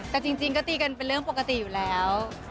แต่จริงก็ตีกันเป็นเรื่องปกติอยู่แล้ว